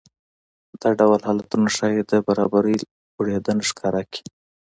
دا ډول حالتونه ښايي د برابرۍ لوړېدنه ښکاره کړي